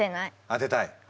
当てたい。